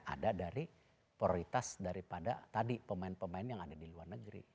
ada dari prioritas daripada tadi pemain pemain yang ada di luar negeri